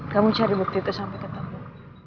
kamu cari bukti itu sampai ketemu